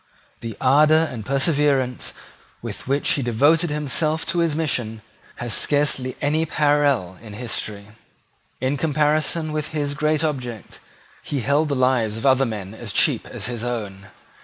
The ardour and perseverance with which he devoted himself to his mission have scarcely any parallel in history. In comparison with his great object he held the lives of other men as cheap as his own.